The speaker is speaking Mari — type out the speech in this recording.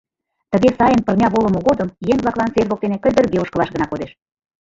Тыге сайын пырня волымо годым еҥ-влаклан сер воктене кыльдырге ошкылаш гына кодеш.